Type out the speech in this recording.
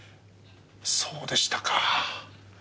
そうでしたか。